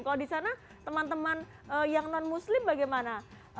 kalau di sana teman teman yang non muslim bagaimana